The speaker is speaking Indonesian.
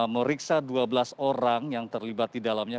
meriksa dua belas orang yang terlibat di dalamnya